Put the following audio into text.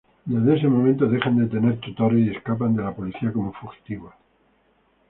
Desde ese momento dejan de tener tutores, y escapan de la policía como fugitivos.